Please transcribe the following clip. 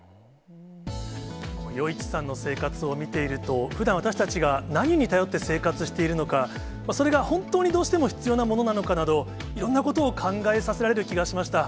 余一さんの生活を見ていると、ふだん私たちが何に頼って生活しているのか、それが本当にどうしても必要なものなのかなど、いろんなことを考えさせられる気がしました。